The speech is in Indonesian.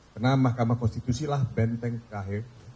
karena mahkamah konstitusi lah benteng terakhir